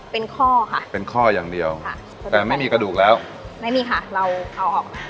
เป็นข้อค่ะเป็นข้ออย่างเดียวค่ะแต่ไม่มีกระดูกแล้วไม่มีค่ะเราเอาออกมา